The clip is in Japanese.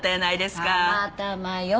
たまたまよ。